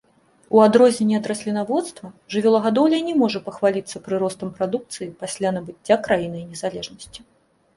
У адрозненні ад раслінаводства, жывёлагадоўля не можа пахваліцца прыростам прадукцыі пасля набыцця краінай незалежнасці.